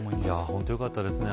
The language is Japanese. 本当によかったですね。